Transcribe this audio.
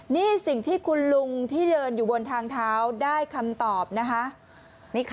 นี่สิ่งที่คุณลุงที่เดินอยู่บนทางเท้าได้คำตอบนะคะ